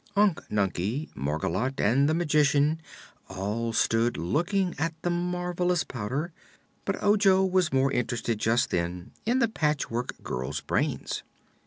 Unc Nunkie, Margolotte and the Magician all stood looking at the marvelous Powder, but Ojo was more interested just then in the Patchwork Girl's brains.